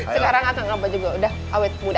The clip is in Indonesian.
sekarang akan abah juga udah awet muda